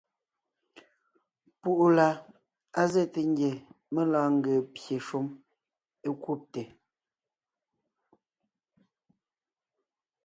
Púʼu la, á zɛ́te ngie mé lɔɔn ńgee pye shúm é kúbte.